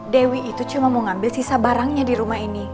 dewi itu cuma mau ngambil sisa barangnya di rumah ini